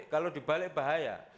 kalau dibalik bahaya